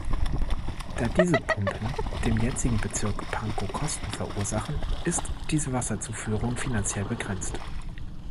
Da diese Pumpen dem jetzigen Bezirk Pankow Kosten verursachen, ist diese Wasserzuführung finanziell begrenzt.